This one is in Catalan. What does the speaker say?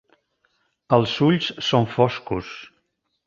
Els ulls són foscos.